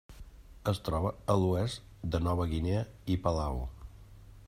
Es troba a l'oest de Nova Guinea i Palau.